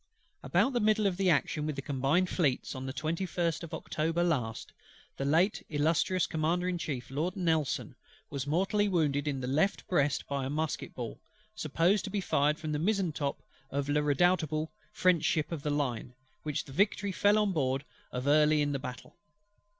"About the middle of the action with the Combined Fleets on the 21st of October last, the late illustrious Commander in Chief Lord NELSON was mortally wounded in the left breast by a musket ball, supposed to be fired from the mizen top of La Redoutable French ship of the line, which the Victory fell on board of early in the battle.